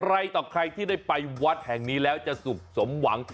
ต่อใครที่ได้ไปวัดแห่งนี้แล้วจะสุขสมหวัง